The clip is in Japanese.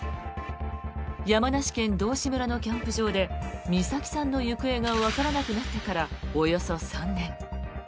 山梨県道志村のキャンプ場で美咲さんの行方がわからなくなってからおよそ３年。